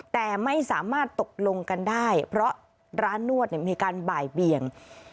แต่ไม่สามารถตกลงกันได้เพราะร้านนวดมีการบ่ายเบียง